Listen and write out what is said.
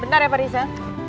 bentar ya pak riza